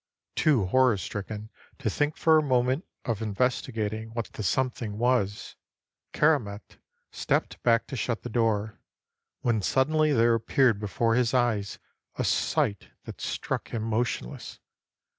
Too horror stricken to think for a moment of investigating what the Something was, Keramet stepped back to shut the door, when suddenly there appeared before his eyes a sight that struck him motionless.